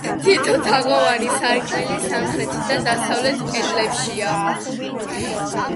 თითო, თაღოვანი სარკმელი სამხრეთით და დასავლეთ კედლებშიცაა.